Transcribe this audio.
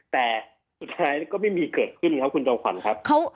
แต่สุดท้ายก็ไม่มีเกิดขึ้นครับคุณจอมขวัญครับ